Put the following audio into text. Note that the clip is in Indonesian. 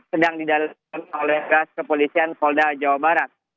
sedang didalami oleh gas kepolisian polda jawa barat